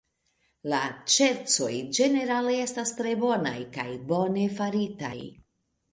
La ŝercoj ĝenerale estas tre bonaj, kaj bone faritaj.